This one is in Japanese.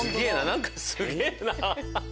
何かすげぇな！